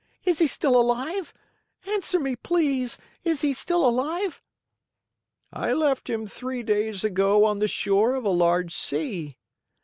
Is he still alive? Answer me, please! Is he still alive?" "I left him three days ago on the shore of a large sea."